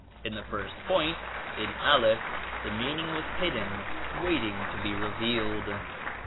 In the first point, in Alif , the meaning was hidden, waiting to be revealed.